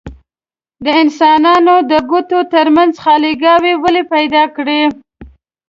د انسانانو د ګوتو ترمنځ خاليګاوې ولې پیدا کړي؟